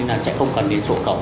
nên là sẽ không cần đến sổ khẩu nữa